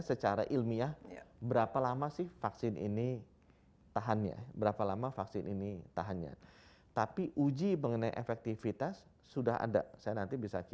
secara ilmiah berapa lama sih vaksin ini tahannya berapa lama vaksin ini tahannya tapi uji mengenai efektivitas sudah ada saya nanti bisa